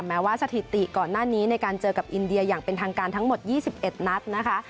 แม้ว่าสถิติก่อนหน้านี้ในการเจอกับอินเดียอย่างเป็นทางการทั้งหมด๒๑นัดนะคะ